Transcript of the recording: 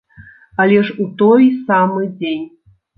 Але ж у той самы дзень.